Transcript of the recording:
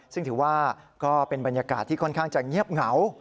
ซึ่งถือว่าก็เป็นบรรยากาศที่ค่อนข้างจะเงียบเหงา